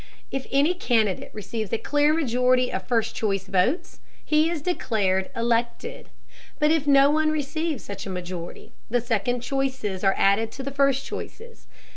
If any candidate receives a clear majority of first choice votes, he is declared elected. But if no one receives such a majority, the second choices are added to the first choices.